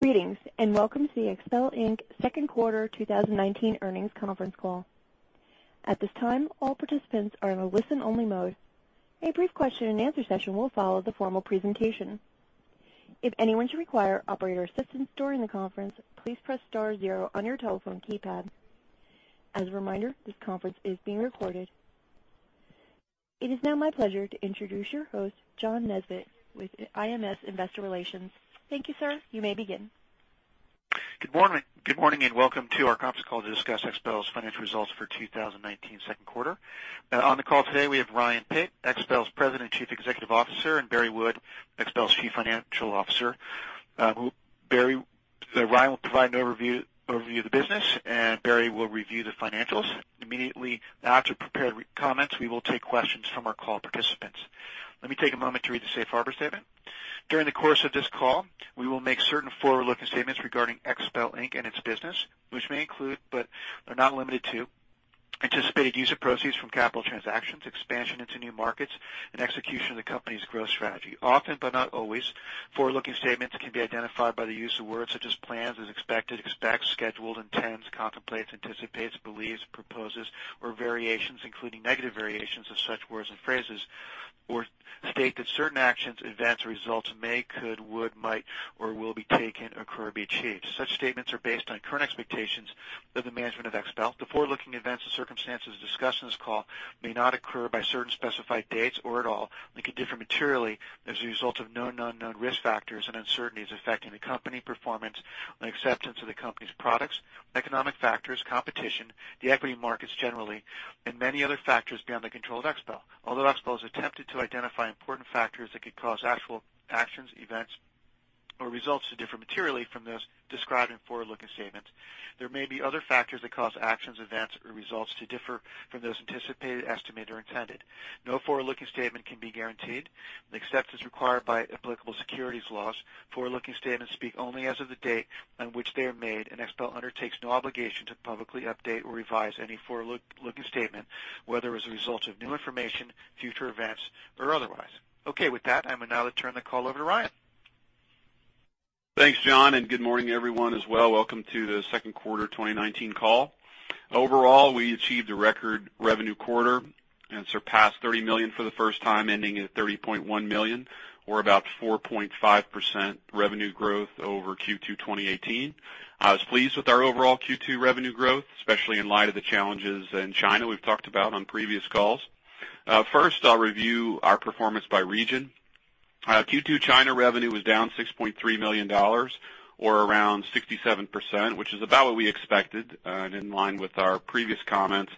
Greetings, welcome to the XPEL Inc. second quarter 2019 earnings conference call. At this time, all participants are in a listen-only mode. A brief question-and-answer session will follow the formal presentation. If anyone should require operator assistance during the conference, please press star zero on your telephone keypad. As a reminder, this conference is being recorded. It is now my pleasure to introduce your host, John Nesbett, with IMS Investor Relations. Thank you, sir. You may begin. Good morning, and welcome to our conference call to discuss XPEL's financial results for 2019 second quarter. On the call today, we have Ryan Pape, XPEL's President Chief Executive Officer, and Barry Wood, XPEL's Chief Financial Officer. Ryan will provide an overview of the business, and Barry will review the financials. Immediately after prepared comments, we will take questions from our call participants. Let me take a moment to read the safe harbor statement. During the course of this call, we will make certain forward-looking statements regarding XPEL Inc. and its business, which may include, but are not limited to, anticipated use of proceeds from capital transactions, expansion into new markets, and execution of the company's growth strategy. Often, but not always, forward-looking statements can be identified by the use of words such as plans, as expected, expects, scheduled, intends, contemplates, anticipates, believes, proposes, or variations, including negative variations of such words and phrases, or state that certain actions, events, or results may, could, would, might, or will be taken occur or be achieved. Such statements are based on current expectations of the management of XPEL. The forward-looking events and circumstances discussed in this call may not occur by certain specified dates or at all and could differ materially as a result of known, unknown risk factors and uncertainties affecting the company performance and acceptance of the company's products, economic factors, competition, the equity markets generally, and many other factors beyond the control of XPEL. Although XPEL has attempted to identify important factors that could cause actual actions, events, or results to differ materially from those described in forward-looking statements, there may be other factors that cause actions, events, or results to differ from those anticipated, estimated, or intended. No forward-looking statement can be guaranteed. Except as required by applicable securities laws, forward-looking statements speak only as of the date on which they are made, and XPEL undertakes no obligation to publicly update or revise any forward-looking statement, whether as a result of new information, future events, or otherwise. Okay. With that, I will now turn the call over to Ryan. Thanks, John, good morning, everyone, as well. Welcome to the second quarter 2019 call. Overall, we achieved a record revenue quarter and surpassed $30 million for the first time, ending at $30.1 million or about 4.5% revenue growth over Q2 2018. I was pleased with our overall Q2 revenue growth, especially in light of the challenges in China we've talked about on previous calls. First, I'll review our performance by region. Q2 China revenue was down $6.3 million or around 67%, which is about what we expected, and in line with our previous comments.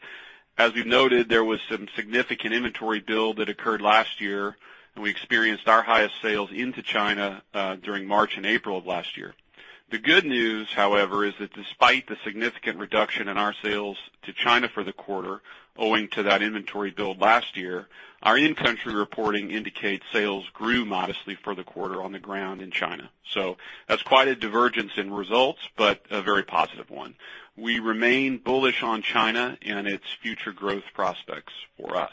As we've noted, there was some significant inventory build that occurred last year, and we experienced our highest sales into China during March and April of last year. The good news, however, is that despite the significant reduction in our sales to China for the quarter, owing to that inventory build last year, our in-country reporting indicates sales grew modestly for the quarter on the ground in China. That's quite a divergence in results, but a very positive one. We remain bullish on China and its future growth prospects for us.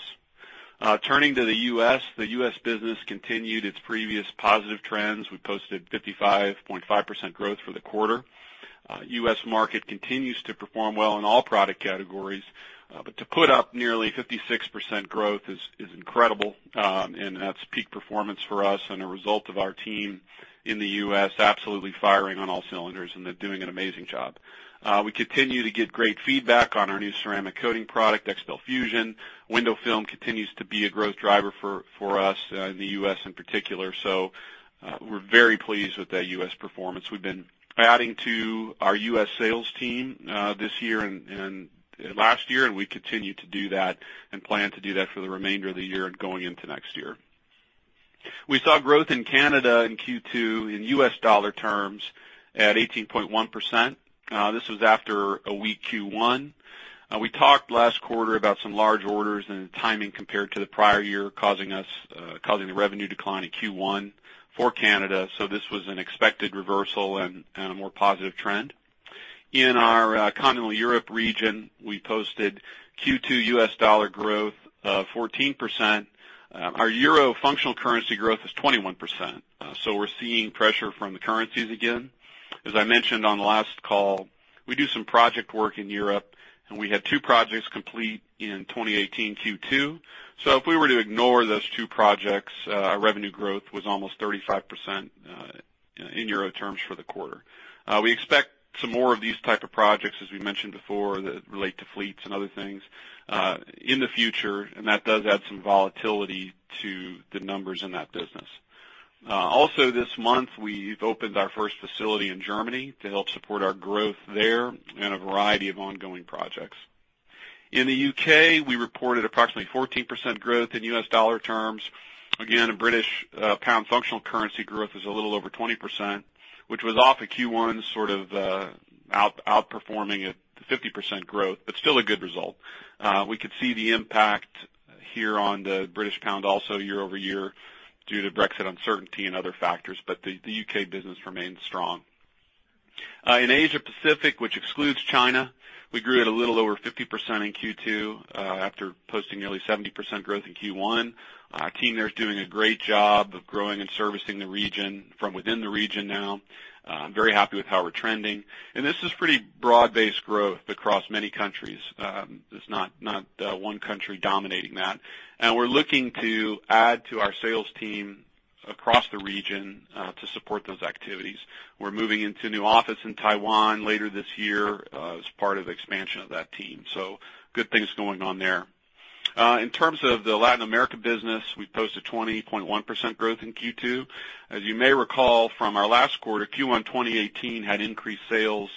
Turning to the U.S., the U.S. business continued its previous positive trends. We posted 55.5% growth for the quarter. U.S. market continues to perform well in all product categories, but to put up nearly 56% growth is incredible, and that's peak performance for us and a result of our team in the U.S. absolutely firing on all cylinders, and they're doing an amazing job. We continue to get great feedback on our new ceramic coating product, XPEL FUSION. window film continues to be a growth driver for us in the U.S. in particular. We're very pleased with that U.S. performance. We've been adding to our U.S. sales team this year and last year, and we continue to do that and plan to do that for the remainder of the year and going into next year. We saw growth in Canada in Q2 in U.S. dollar terms at 18.1%. This was after a weak Q1. We talked last quarter about some large orders and the timing compared to the prior year causing us causing the revenue decline in Q1 for Canada. This was an expected reversal and a more positive trend. In our continental Europe region, we posted Q2 U.S. dollar growth of 14%. Our euro functional currency growth is 21%. We're seeing pressure from the currencies again. As I mentioned on the last call, we do some project work in Europe, and we had two projects complete in 2018 Q2. If we were to ignore those two projects, our revenue growth was almost 35% in euro terms for the quarter. We expect some more of these type of projects, as we mentioned before, that relate to fleets and other things in the future, and that does add some volatility to the numbers in that business. Also this month, we've opened our first facility in Germany to help support our growth there and a variety of ongoing projects. In the U.K., we reported approximately 14% growth in U.S. dollar terms. Again, a British pound functional currency growth is a little over 20%, which was off a Q1 sort of outperforming at 50% growth, but still a good result. We could see the impact here on the British pound also year-over-year due to Brexit uncertainty and other factors, but the U.K. business remains strong. In Asia Pacific, which excludes China, we grew at a little over 50% in Q2, after posting nearly 70% growth in Q1. Our team there is doing a great job of growing and servicing the region from within the region now. I'm very happy with how we're trending. This is pretty broad-based growth across many countries. It's not one country dominating that. We're looking to add to our sales team across the region to support those activities. We're moving into a new office in Taiwan later this year as part of the expansion of that team. Good things going on there. In terms of the Latin America business, we posted 20.1% growth in Q2. As you may recall from our last quarter, Q1 2018 had increased sales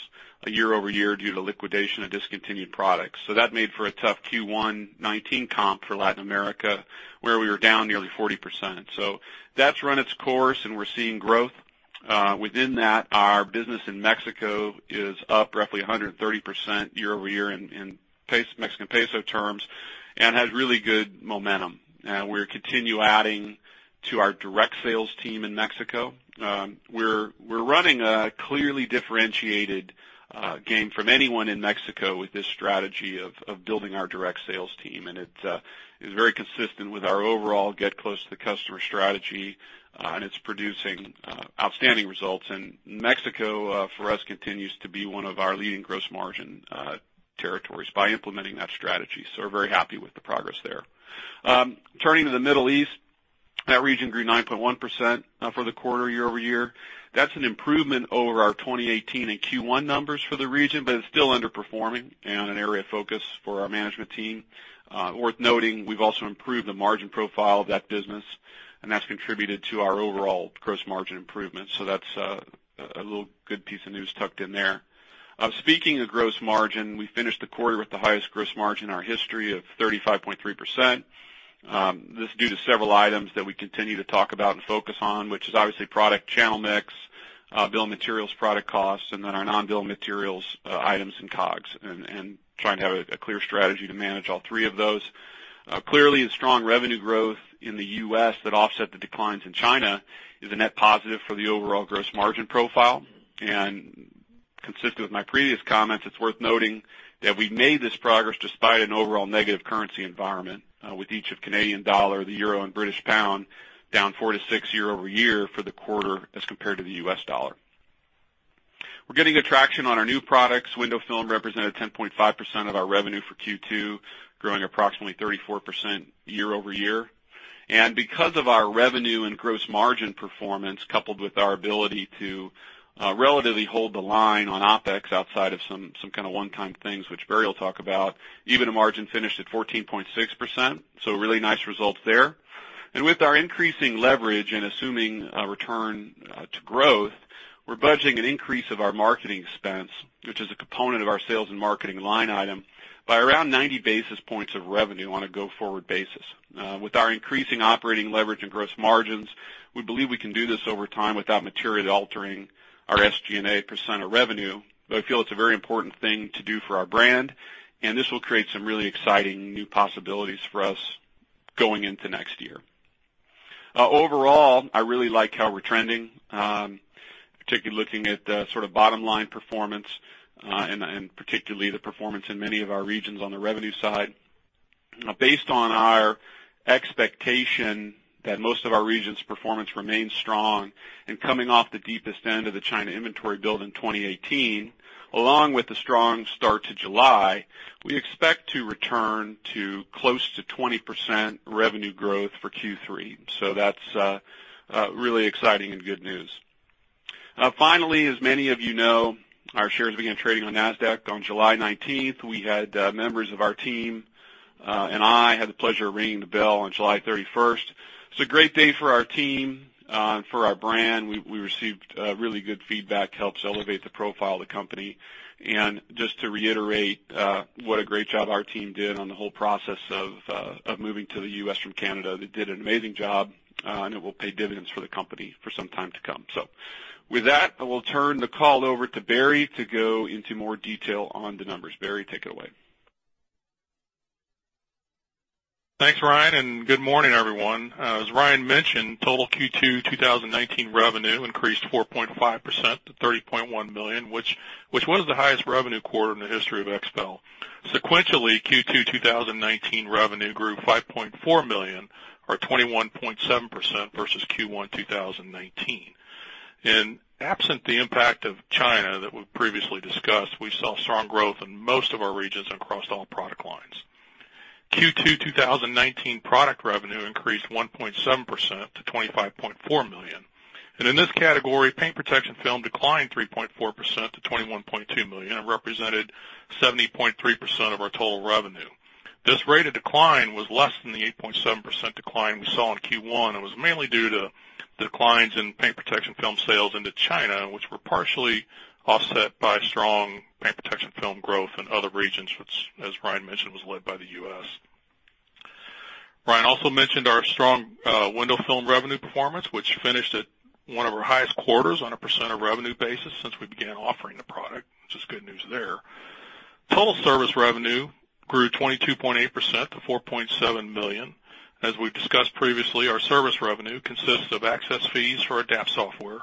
year-over-year due to liquidation of discontinued products. That made for a tough Q1 2019 comp for Latin America, where we were down nearly 40%. That's run its course, and we're seeing growth. Within that, our business in Mexico is up roughly 130% year-over-year in Mexican peso terms, and has really good momentum. We're continue adding to our direct sales team in Mexico. We're running a clearly differentiated game from anyone in Mexico with this strategy of building our direct sales team. It is very consistent with our overall get close to the customer strategy, and it's producing outstanding results. Mexico for us continues to be one of our leading gross margin territories by implementing that strategy. We're very happy with the progress there. Turning to the Middle East, that region grew 9.1% for the quarter year-over-year. That's an improvement over our 2018 and Q1 numbers for the region, but it's still underperforming and an area of focus for our management team. Worth noting, we've also improved the margin profile of that business, and that's contributed to our overall gross margin improvement. That's a little good piece of news tucked in there. Speaking of gross margin, we finished the quarter with the highest gross margin in our history of 35.3%. This is due to several items that we continue to talk about and focus on, which is obviously product channel mix, bill of materials, product costs, and then our non-bill of materials items and COGS, and trying to have a clear strategy to manage all three of those. Clearly the strong revenue growth in the U.S. that offset the declines in China is a net positive for the overall gross margin profile. Consistent with my previous comments, it's worth noting that we made this progress despite an overall negative currency environment, with each of Canadian dollar, the euro, and British pound down 4%-6% year-over-year for the quarter as compared to the U.S. dollar. We're getting good traction on our new products. window film represented 10.5% of our revenue for Q2, growing approximately 34% year-over-year. Because of our revenue and gross margin performance, coupled with our ability to relatively hold the line on OpEx outside of some kind of one-time things, which Barry will talk about, even the margin finished at 14.6%, so really nice results there. With our increasing leverage and assuming a return to growth, we're budgeting an increase of our marketing expense, which is a component of our sales and marketing line item, by around 90 basis points of revenue on a go-forward basis. With our increasing operating leverage and gross margins, we believe we can do this over time without materially altering our SG&A % of revenue. I feel it's a very important thing to do for our brand, and this will create some really exciting new possibilities for us going into next year. Overall, I really like how we're trending, particularly looking at the sort of bottom-line performance, and particularly the performance in many of our regions on the revenue side. Based on our expectation that most of our regions' performance remains strong and coming off the deepest end of the China inventory build in 2018, along with the strong start to July, we expect to return to close to 20% revenue growth for Q3. That's really exciting and good news. Finally, as many of you know, our shares began trading on Nasdaq on July 19th. We had members of our team, and I had the pleasure of ringing the bell on July 31st. It's a great day for our team and for our brand. We received really good feedback, helps elevate the profile of the company. Just to reiterate, what a great job our team did on the whole process of moving to the U.S. from Canada. They did an amazing job, and it will pay dividends for the company for some time to come. With that, I will turn the call over to Barry to go into more detail on the numbers. Barry, take it away. Thanks, Ryan. Good morning, everyone. As Ryan mentioned, total Q2 2019 revenue increased 4.5% to $30.1 million, which was the highest revenue quarter in the history of XPEL. Sequentially, Q2 2019 revenue grew $5.4 million or 21.7% versus Q1 2019. Absent the impact of China that we've previously discussed, we saw strong growth in most of our regions across all product lines. Q2 2019 product revenue increased 1.7% to $25.4 million. In this category, paint protection film declined 3.4% to $21.2 million and represented 70.3% of our total revenue. This rate of decline was less than the 8.7% decline we saw in Q1, and was mainly due to declines in paint protection film sales into China, which were partially offset by strong paint protection film growth in other regions, which, as Ryan mentioned, was led by the U.S. Ryan also mentioned our strong window film revenue performance, which finished at one of our highest quarters on a percent of revenue basis since we began offering the product. It's good news there. Total service revenue grew 22.8% to $4.7 million. As we've discussed previously, our service revenue consists of access fees for DAP software,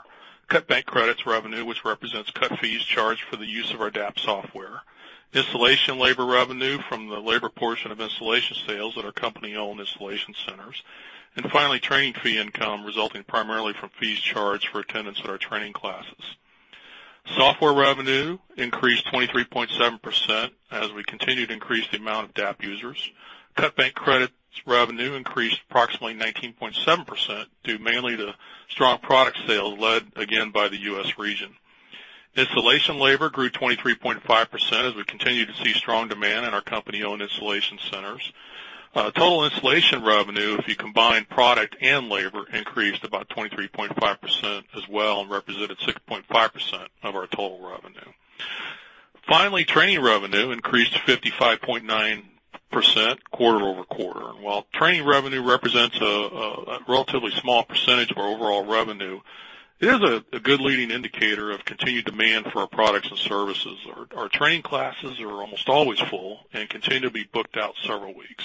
cut bank credits revenue, which represents cut fees charged for the use of our DAP software. Installation labor revenue from the labor portion of installation sales at our company-owned installation centers, and finally, training fee income resulting primarily from fees charged for attendance at our training classes. Software revenue increased 23.7% as we continued to increase the amount of DAP users. Cut bank credits revenue increased approximately 19.7% due mainly to strong product sales led again by the U.S. region. Installation labor grew 23.5% as we continue to see strong demand in our company-owned installation centers. Total installation revenue, if you combine product and labor, increased about 23.5% as well and represented 6.5% of our total revenue. Training revenue increased to 55.9% quarter-over-quarter. While training revenue represents a relatively small percentage of our overall revenue, it is a good leading indicator of continued demand for our products and services. Our training classes are almost always full and continue to be booked out several weeks.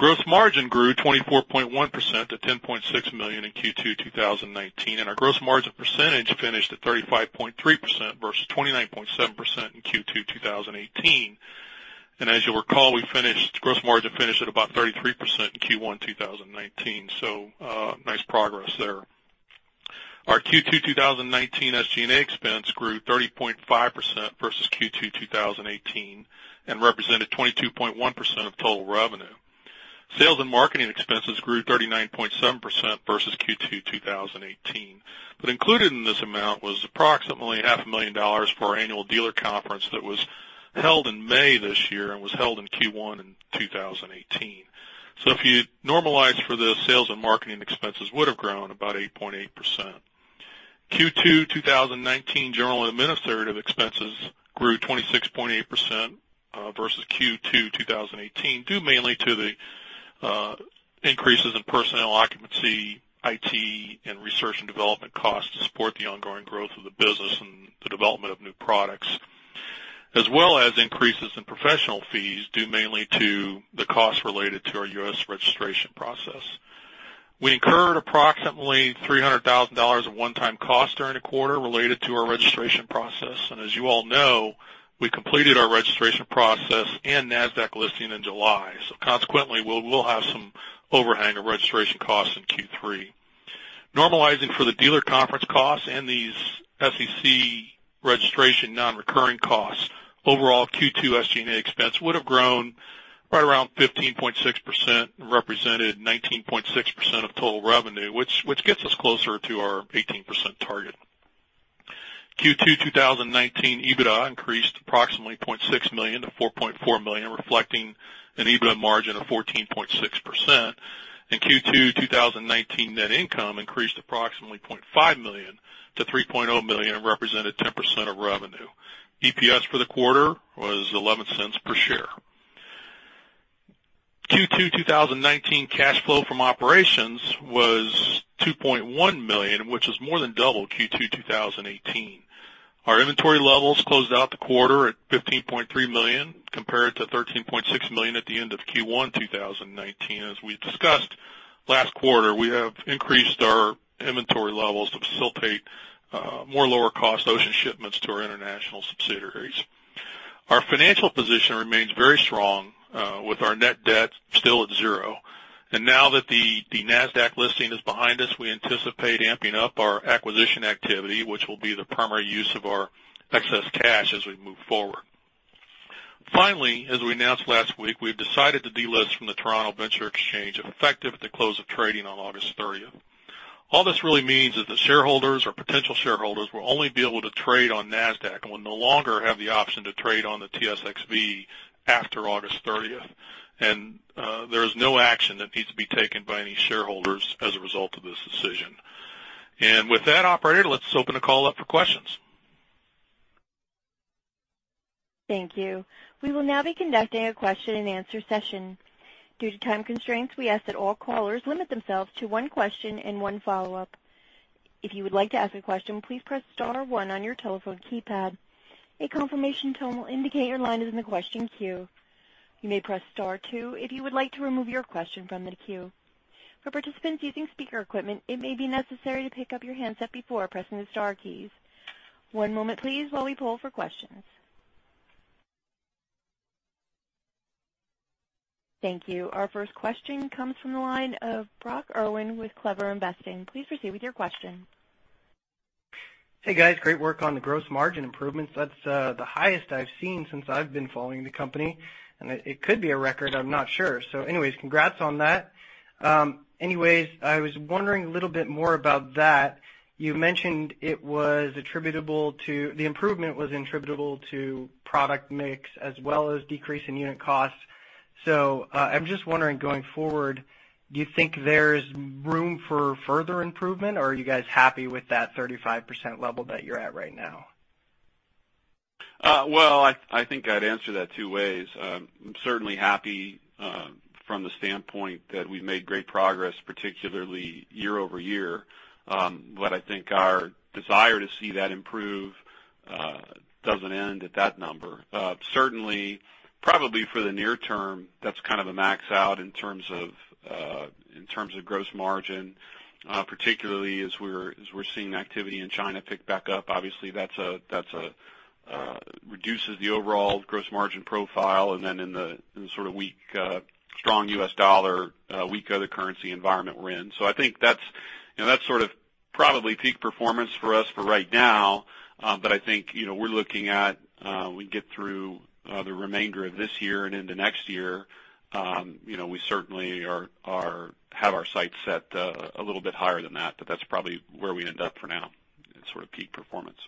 Gross margin grew 24.1% to $10.6 million in Q2 2019, and our gross margin percentage finished at 35.3% versus 29.7% in Q2 2018. As you'll recall, gross margin finished at about 33% in Q1 2019, nice progress there. Our Q2 2019 SG&A expense grew 30.5% versus Q2 2018 and represented 22.1% of total revenue. Sales and marketing expenses grew 39.7% versus Q2 2018. Included in this amount was approximately $500,000 for our annual dealer conference that was held in May this year and was held in Q1 in 2018. If you normalize for the sales and marketing expenses would have grown about 8.8%. Q2 2019 general and administrative expenses grew 26.8% versus Q2 2018, due mainly to the increases in personnel occupancy, IT and research and development costs to support the ongoing growth of the business and the development of new products. As well as increases in professional fees, due mainly to the costs related to our U.S. registration process. We incurred approximately $300,000 of one-time cost during the quarter related to our registration process. As you all know, we completed our registration process and Nasdaq listing in July. Consequently, we'll have some overhang of registration costs in Q3. Normalizing for the dealer conference costs and these SEC registration non-recurring costs, overall Q2 SG&A expense would have grown right around 15.6% and represented 19.6% of total revenue, which gets us closer to our 18% target. Q2 2019 EBITDA increased approximately $0.6 million to $4.4 million, reflecting an EBITDA margin of 14.6%. Q2 2019 net income increased approximately $0.5 million to $3.0 million and represented 10% of revenue. EPS for the quarter was $0.11 per share. Q2 2019 cash flow from operations was $2.1 million, which is more than double Q2 2018. Our inventory levels closed out the quarter at $15.3 million compared to $13.6 million at the end of Q1 2019. As we discussed last quarter, we have increased our inventory levels to facilitate more lower-cost ocean shipments to our international subsidiaries. Our financial position remains very strong, with our net debt still at zero. Now that the Nasdaq listing is behind us, we anticipate amping up our acquisition activity, which will be the primary use of our excess cash as we move forward. As we announced last week, we've decided to delist from the Toronto Venture Exchange effective at the close of trading on August 30th. All this really means is that shareholders or potential shareholders will only be able to trade on Nasdaq and will no longer have the option to trade on the TSXV after August 30th. There is no action that needs to be taken by any shareholders as a result of this decision. With that, operator, let's open the call up for questions. Thank you. We will now be conducting a question and answer session. Due to time constraints, we ask that all callers limit themselves to one question and one follow-up. If you would like to ask a question, please press star one on your telephone keypad. A confirmation tone will indicate your line is in the question queue. You may press star two if you would like to remove your question from the queue. For participants using speaker equipment, it may be necessary to pick up your handset before pressing the star keys. One moment please while we poll for questions. Thank you. Our first question comes from the line of Brock Erwin with CleverInvesting. Please proceed with your question. Hey, guys. Great work on the gross margin improvements. That's the highest I've seen since I've been following the company, and it could be a record, I'm not sure. Anyways, congrats on that. Anyways, I was wondering a little bit more about that. You mentioned it was attributable to the improvement was attributable to product mix as well as decrease in unit costs. I'm just wondering, going forward, do you think there's room for further improvement, or are you guys happy with that 35% level that you're at right now? Well, I think I'd answer that two ways. I'm certainly happy from the standpoint that we've made great progress, particularly year-over-year. But I think our desire to see that improve doesn't end at that number. Certainly, probably for the near term, that's kind of a max out in terms of gross margin, particularly as we're seeing activity in China pick back up. Obviously, that's a, that's reduces the overall gross margin profile and then in the, in the sort of weak, strong U.S. dollar, weaker the currency environment we're in. I think that's, you know, that's sort of probably peak performance for us for right now. But I think, you know, we're looking at, we get through the remainder of this year and into next year. You know, we certainly have our sights set a little bit higher than that, but that's probably where we'd end up for now in sort of peak performance.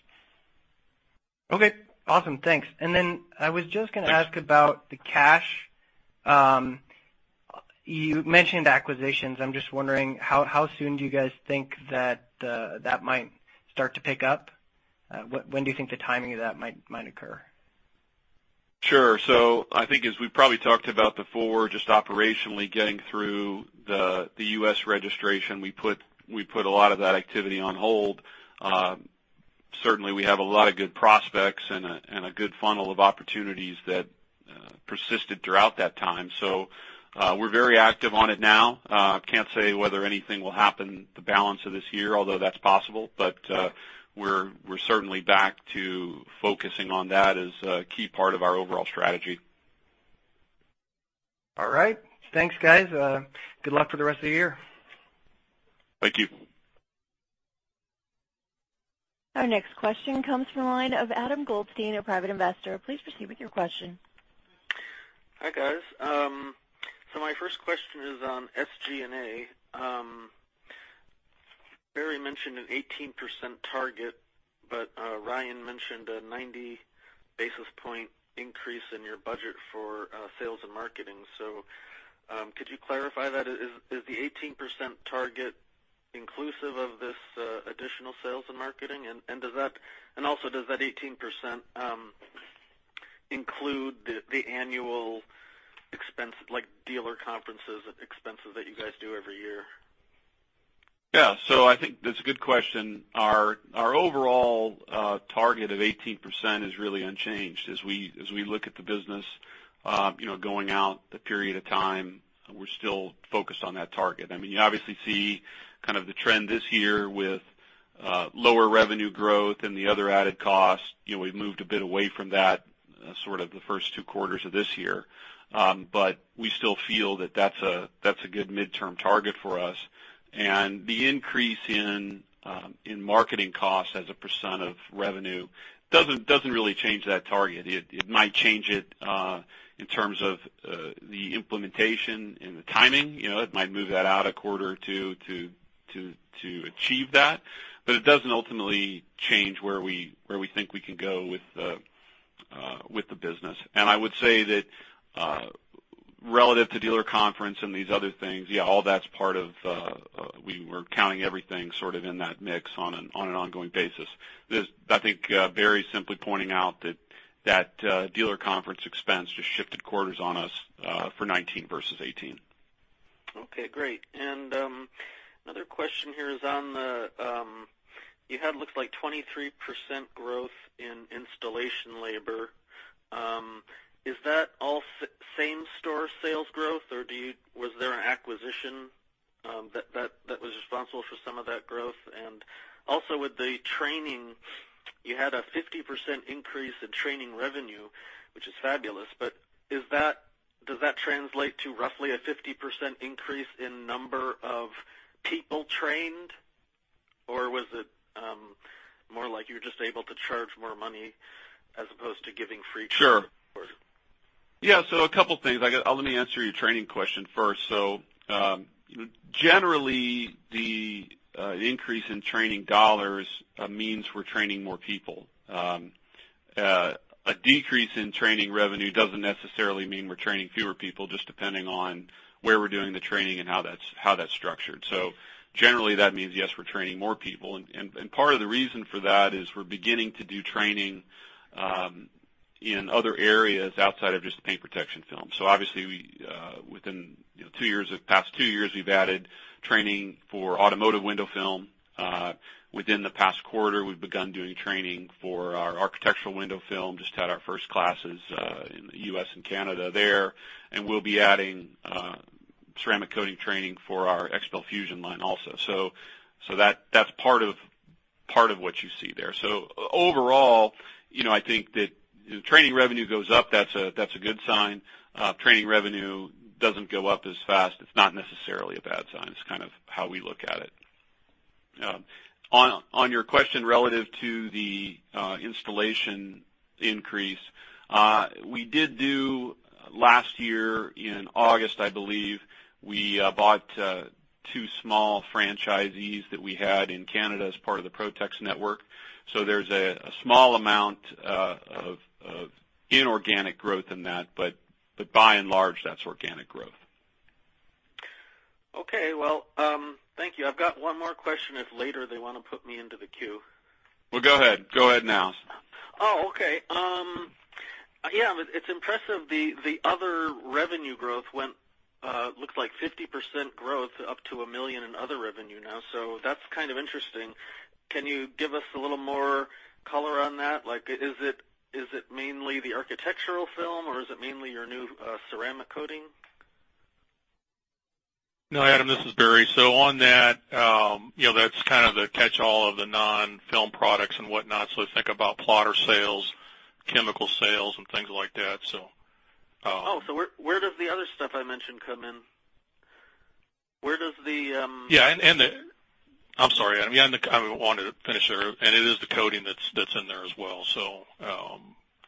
Okay. Awesome. Thanks. I was just gonna ask about the cash. You mentioned acquisitions. I'm just wondering how soon do you guys think that might start to pick up? When do you think the timing of that might occur? Sure. I think as we probably talked about before, just operationally getting through the U.S. registration, we put a lot of that activity on hold. Certainly, we have a lot of good prospects and a good funnel of opportunities that persisted throughout that time. We're very active on it now. Can't say whether anything will happen the balance of this year, although that's possible. We're certainly back to focusing on that as a key part of our overall strategy. All right. Thanks, guys. Good luck for the rest of the year. Thank you. Our next question comes from the line of Adam Goldstein, a private investor. Please proceed with your question. Hi, guys. My first question is on SG&A. Barry mentioned an 18% target, Ryan mentioned a 90 basis point increase in your budget for sales and marketing. Could you clarify that? Is the 18% target inclusive of this additional sales and marketing? Does that 18% include the annual expense like dealer conferences and expenses that you guys do every year? I think that's a good question. Our overall target of 18% is really unchanged. As we, as we look at the business, you know, going out the period of time, we're still focused on that target. I mean, you obviously see kind of the trend this year with lower revenue growth and the other added costs. You know, we've moved a bit away from that, sort of the first two quarters of this year. We still feel that that's a, that's a good midterm target for us. The increase in marketing costs as a percent of revenue doesn't really change that target. It might change it in terms of the implementation and the timing. You know, it might move that out a quarter or two to achieve that. It doesn't ultimately change where we think we can go with the business. I would say that, relative to dealer conference and these other things, yeah, all that's part of, we're counting everything sort of in that mix on an ongoing basis. I think Barry's simply pointing out that, dealer conference expense just shifted quarters on us for 2019 versus 2018. Okay, great. Another question here is on the, you had looks like 23% growth in installation labor. Is that all same-store sales growth, or was there an acquisition that was responsible for some of that growth? Also, with the training, you had a 50% increase in training revenue, which is fabulous. Does that translate to roughly a 50% increase in number of people trained, or was it more like you're just able to charge more money as opposed to giving free training? Sure. Yeah. A couple things. Let me answer your training question first. Generally, the increase in training dollars means we're training more people. A decrease in training revenue doesn't necessarily mean we're training fewer people, just depending on where we're doing the training and how that's structured. Generally, that means, yes, we're training more people. And part of the reason for that is we're beginning to do training in other areas outside of just paint protection film. Obviously, we, within, you know, past two years, we've added training for automotive window film. Within the past quarter, we've begun doing training for our architectural window film. Just had our first classes in the U.S. and Canada there, and we'll be adding ceramic coating training for our XPEL FUSION line also. That's part of what you see there. Overall, you know, I think that if training revenue goes up, that's a, that's a good sign. If training revenue doesn't go up as fast, it's not necessarily a bad sign. It's kind of how we look at it. On your question relative to the installation increase, last year, in August, I believe, we bought two small franchisees that we had in Canada as part of the Protex network. There's a small amount of inorganic growth in that, by and large, that's organic growth. Okay. Well, thank you. I've got one more question if later they wanna put me into the queue. Well, go ahead. Go ahead now. Okay. Yeah, it's impressive the other revenue growth went, looks like 50% growth up to $1 million in other revenue now. That's kind of interesting. Can you give us a little more color on that? Like, is it mainly the architectural film or is it mainly your new ceramic coating? No, Adam, this is Barry. On that, you know, that's kind of the catchall of the non-film products and whatnot. Think about plotter sales, chemical sales and things like that. Where does the other stuff I mentioned come in? Yeah, I'm sorry, Adam. Yeah, I wanted to finish there. It is the coating that's in there as well.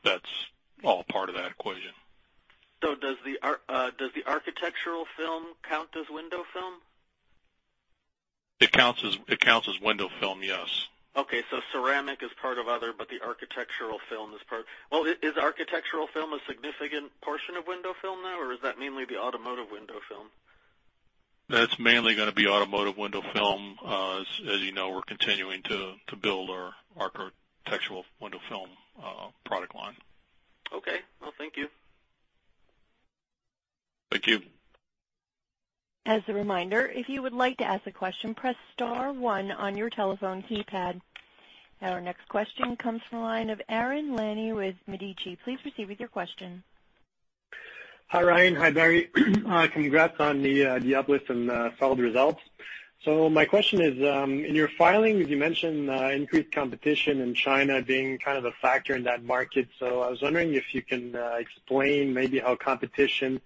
That's all part of that equation. Does the architectural film count as window film? It counts as window film, yes. Okay. Ceramic is part of other, but the architectural film is. Well, is architectural film a significant portion of window film now, or is that mainly the automotive window film? That's mainly gonna be automotive window film. As you know, we're continuing to build our architectural window film product line. Okay. Well, thank you. Thank you. As a reminder, if you would like to ask a question, press star one on your telephone keypad. Our next question comes from the line of Aaron Lanni with Medici. Please proceed with your question. Hi, Ryan. Hi, Barry. Congrats on the uplist and solid results. My question is, in your filings, you mentioned increased competition in China being kind of a factor in that market. I was wondering if you can explain maybe how competition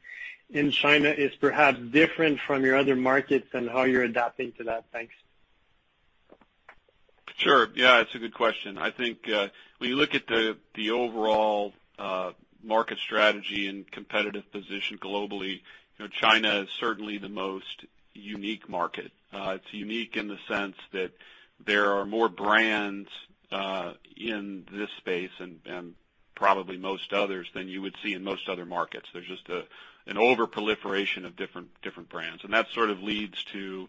in China is perhaps different from your other markets and how you're adapting to that. Thanks. Sure. Yeah, it's a good question. I think, when you look at the overall, market strategy and competitive position globally, you know, China is certainly the most unique market. It's unique in the sense that there are more brands, in this space and probably most others than you would see in most other markets. There's just an overproliferation of different brands. That sort of leads to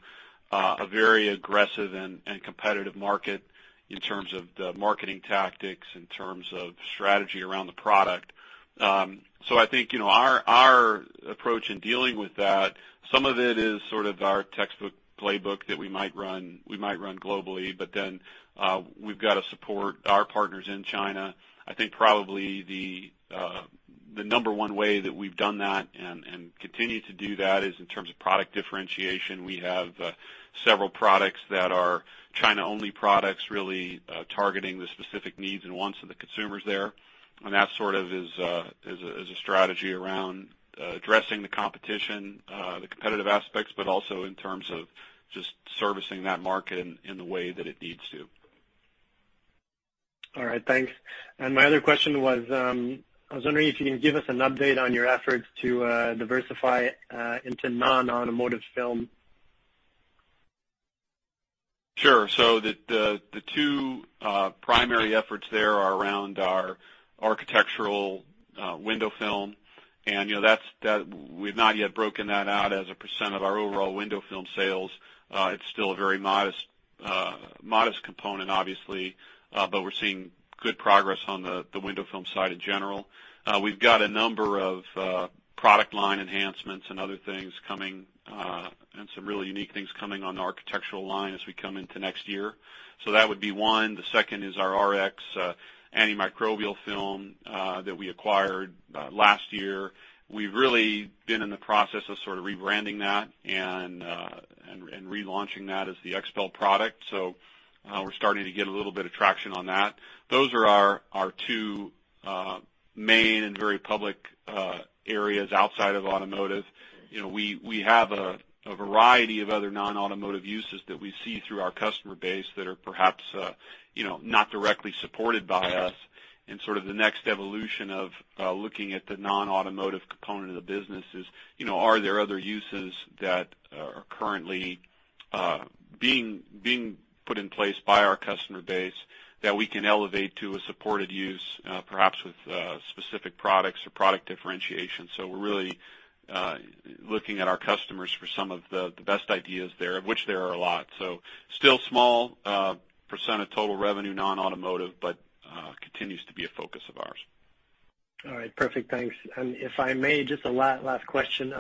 a very aggressive and competitive market in terms of the marketing tactics, in terms of strategy around the product. I think, you know, our approach in dealing with that, some of it is sort of our textbook playbook that we might run globally, we've got to support our partners in China. I think probably the number one way that we've done that and continue to do that is in terms of product differentiation. We have several products that are China-only products, really targeting the specific needs and wants of the consumers there. That sort of is a strategy around addressing the competition, the competitive aspects, but also in terms of just servicing that market in the way that it needs to. All right. Thanks. My other question was, I was wondering if you can give us an update on your efforts to diversify into non-automotive film. Sure. The two primary efforts there are around our architectural window film. You know, that we've not yet broken that out as a percent of our overall window film sales. It's still a very modest component obviously, we're seeing good progress on the window film side in general. We've got a number of product line enhancements and other things coming, some really unique things coming on the architectural line as we come into next year. That would be one. The second is our RX Antimicrobial Film that we acquired last year. We've really been in the process of sort of rebranding that and relaunching that as the XPEL product. We're starting to get a little bit of traction on that. Those are our two main and very public areas outside of automotive. You know, we have a variety of other non-automotive uses that we see through our customer base that are perhaps, you know, not directly supported by us. Sort of the next evolution of looking at the non-automotive component of the business is, you know, are there other uses that are currently being put in place by our customer base that we can elevate to a supported use, perhaps with specific products or product differentiation. We're really looking at our customers for some of the best ideas there, of which there are a lot. Still small percent of total revenue, non-automotive, but continues to be a focus of ours. All right. Perfect. Thanks. If I may, just a last question.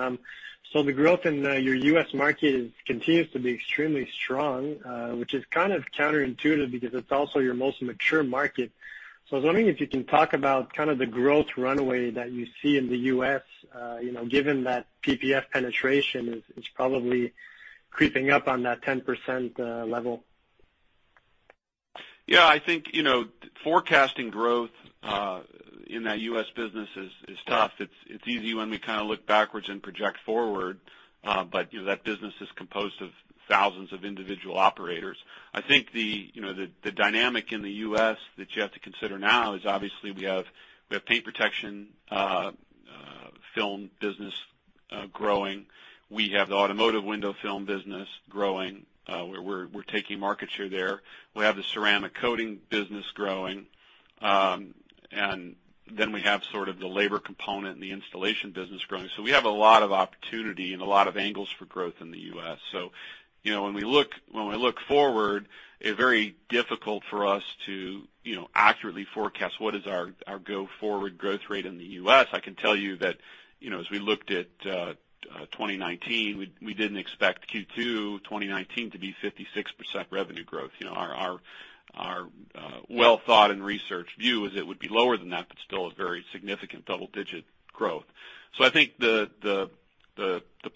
The growth in your U.S. market continues to be extremely strong, which is kind of counterintuitive because it's also your most mature market. I was wondering if you can talk about kind of the growth runway that you see in the U.S., given that PPF penetration is probably creeping up on that 10% level. Yeah, I think, you know, forecasting growth in that U.S. business is tough. It's easy when we kinda look backwards and project forward, but, you know, that business is composed of thousands of individual operators. I think the, you know, the dynamic in the U.S. that you have to consider now is obviously we have paint protection film business growing. We have the Automotive window film business growing, where we're taking market share there. We have the ceramic coating business growing. We have sort of the labor component and the installation business growing. We have a lot of opportunity and a lot of angles for growth in the U.S. You know, when we look forward, it's very difficult for us to, you know, accurately forecast what is our go forward growth rate in the U.S. I can tell you that, you know, as we looked at 2019, we didn't expect Q2 2019 to be 56% revenue growth. You know, our well-thought and researched view is it would be lower than that, but still a very significant double-digit growth. I think the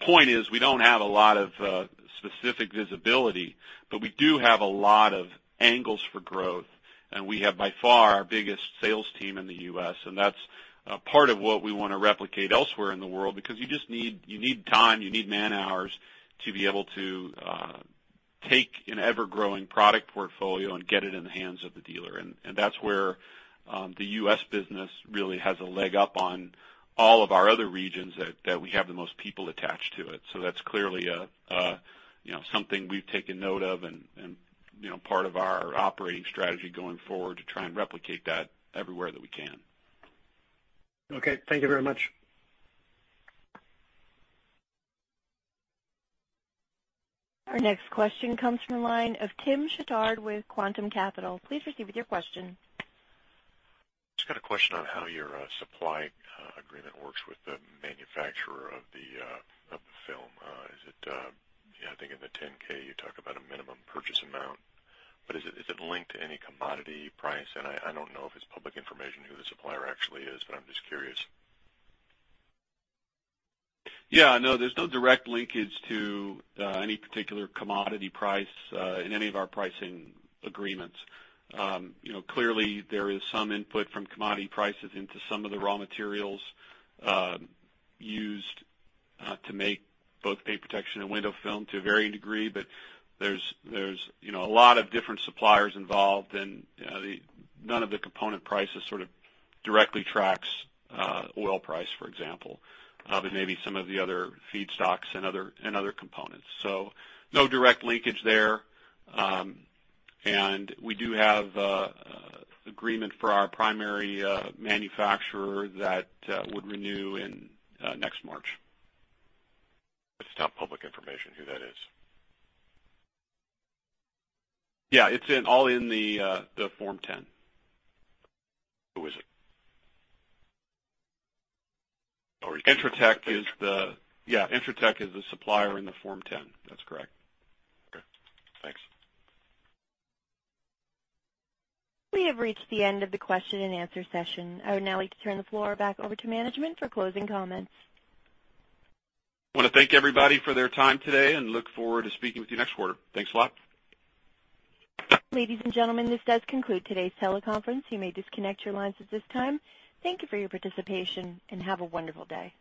point is we don't have a lot of specific visibility, but we do have a lot of angles for growth, and we have by far our biggest sales team in the U.S. That's part of what we wanna replicate elsewhere in the world because you just need, you need time, you need man-hours to be able to take an ever-growing product portfolio and get it in the hands of the dealer. That's where the U.S. business really has a leg up on all of our other regions that we have the most people attached to it. That's clearly a, you know, something we've taken note of and, you know, part of our operating strategy going forward to try and replicate that everywhere that we can. Okay. Thank you very much. Our next question comes from the line of Tim Chatard with Quantum Capital. Please proceed with your question. Just got a question on how your supply agreement works with the manufacturer of the of the film. Is it, you know, I think in the 10-K, you talk about a minimum purchase amount, but is it linked to any commodity price? I don't know if it's public information who the supplier actually is, but I'm just curious. Yeah. No, there's no direct linkage to any particular commodity price in any of our pricing agreements. You know, clearly there is some input from commodity prices into some of the raw materials used to make paint protection film and window film to a varying degree. There's, you know, a lot of different suppliers involved, and none of the component prices sort of directly tracks oil price, for example, but maybe some of the other feedstocks and other components. No direct linkage there. We do have a agreement for our primary manufacturer that would renew in next March. It's not public information who that is. Yeah. It's all in the Form 10. Who is it? Entrotech is the Yeah, Entrotech is the supplier in the Form 10. That's correct. Okay. Thanks. We have reached the end of the question and answer session. I would now like to turn the floor back over to management for closing comments. I want to thank everybody for their time today and look forward to speaking with you next quarter. Thanks a lot. Ladies and gentlemen, this does conclude today's teleconference. You may disconnect your lines at this time. Thank you for your participation, and have a wonderful day.